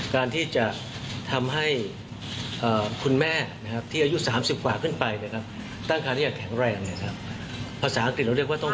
การที่จะทำให้คุณแม่ที่อายุ๓๐กว่าขึ้นไปตั้งคันด้วยอย่างแข็งแรง